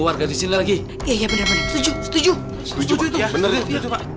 warga di sini lagi iya bener bener setuju setuju setuju